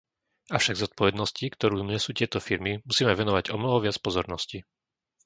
Avšak zodpovednosti, ktorú nesú tieto firmy, musíme venovať omnoho viac pozornosti.